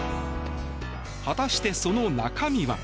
果たして、その中身は。